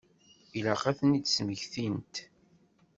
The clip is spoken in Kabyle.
Ilaq ad ten-id-smektint.